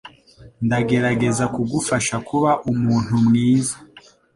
Ndagerageza kugufasha kuba umuntu mwiza.